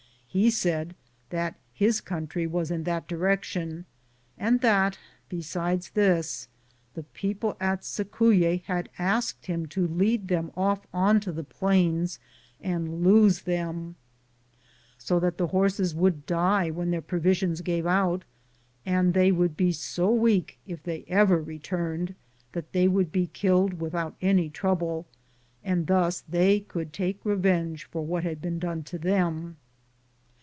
He said that his country was in that direction and that, besides this, the people at Cicuye had asked him to lead them off on to the plains and lose them, so that the horses would die when their provi sions gave out, and they would be so weak 74 ligirized I:, G00gk' THE JOTJRNEY OF CORONADO if they ever returned that they would be killed without any trouble, and thus they could take revenge for what had been done to them.